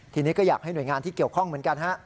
ทีนี้ก็อยากให้หน่วยงานที่เกี่ยวข้องเหมือนกันฮะ